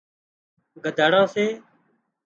گڌاڙان سي